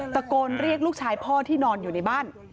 ตะโกนเรียกลูกชายพ่อที่นอนอยู่ในบ้าน